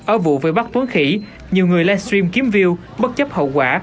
ở vụ với bắt tuấn khỉ nhiều người livestream kiếm view bất chấp hậu quả